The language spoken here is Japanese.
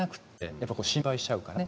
やっぱこう心配しちゃうからね。